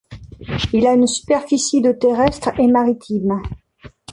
Il a une superficie de terrestres et maritimes.